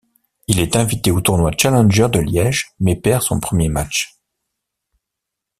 Il est invité au tournoi Challenger de Liège, mais perd son premier match.